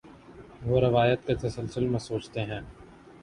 وہ روایت کے تسلسل میں سوچتے ہیں۔